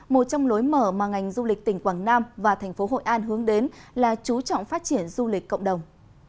một trong lối mở mà ngành du lịch tỉnh quảng nam và thành phố hội an hướng đến là chú trọng phát triển du lịch cộng đồng